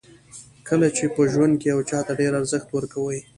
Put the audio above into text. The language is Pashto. کله چې په ژوند کې یو چاته ډېر ارزښت ورکوو.